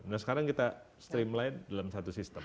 nah sekarang kita streamline dalam satu sistem